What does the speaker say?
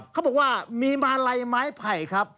เขาบอกว่ามีมาลัยไม้ไผ่ครับ